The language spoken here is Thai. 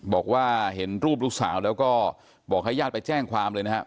บอกว่าเห็นรูปลูกสาวแล้วก็บอกให้ญาติไปแจ้งความเลยนะครับ